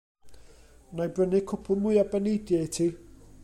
Wna i brynu cwpwl mwy o baneidiau i ti.